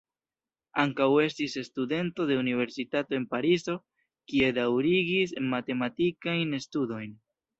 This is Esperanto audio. Ankaŭ estis studento de Universitato en Parizo, kie daŭrigis matematikajn studojn.